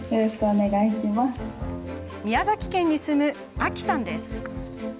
宮崎県に住む、あきさんです。